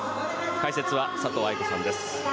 解説は佐藤愛子さんです。